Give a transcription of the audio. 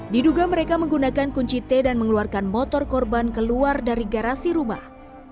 diduga mereka menggunakan kunci t dan mengeluarkan motor korban keluar dari garasi rumah